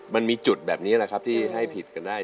มันมีจุดแบบนี้แหละครับที่ให้ผิดกันได้